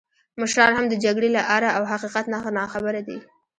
مشران هم د جګړې له آره او حقیقت نه ناخبره دي.